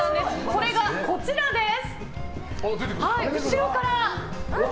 それがこちらです。